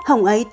hồng ấy tôi nhớ